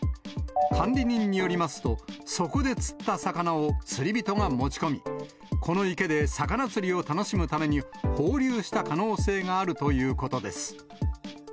管理人によりますと、そこで釣った魚を釣り人が持ち込み、この池で魚釣りを楽しむために、放流した可能性があるということです。